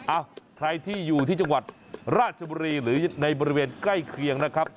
อ่ะใครที่อยู่ที่จังหวัดราชบุรีหรือในบริเวณใกล้เคียงนะครับ